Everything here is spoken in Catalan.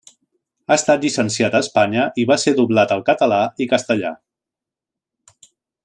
Ha estat llicenciat a Espanya i va ser doblat al Català i Castellà.